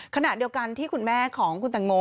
ขณะเดียวกันที่คุณแม่ของคุณตังโม